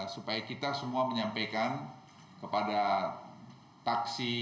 supaya kita semua menyampaikan kepada taksi